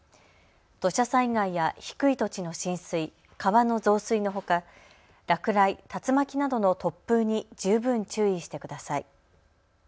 土砂災害や低い土地の浸水、川の増水のほか落雷、竜巻などの突風に十分注意してください。